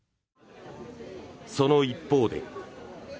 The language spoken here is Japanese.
その一方で。